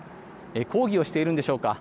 抗議をしているんでしょうか。